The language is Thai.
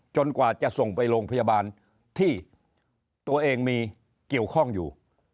กว่าจะส่งไปโรงพยาบาลที่ตัวเองมีเกี่ยวข้องอยู่